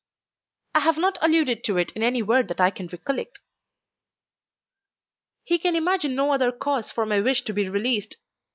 "I have not alluded to it in any word that I can recollect." "He can imagine no other cause for my wish to be released.